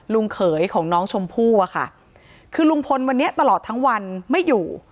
เขยของน้องชมพู่อะค่ะคือลุงพลวันนี้ตลอดทั้งวันไม่อยู่